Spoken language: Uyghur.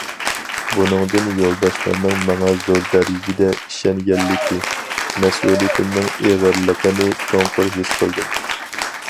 بۇنىڭدىن يولداشلارنىڭ ماڭا زور دەرىجىدە ئىشەنگەنلىكى، مەسئۇلىيىتىمنىڭ ئېغىرلىقىنى چوڭقۇر ھېس قىلدىم.